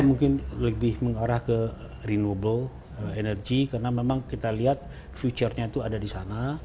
mungkin lebih mengarah ke renewable energy karena memang kita lihat future nya itu ada di sana